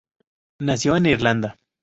Nació en Irlanda.